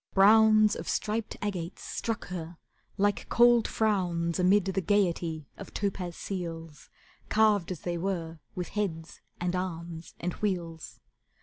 Browns Of striped agates struck her like cold frowns Amid the gaiety of topaz seals, Carved though they were with heads, and arms, and wheels.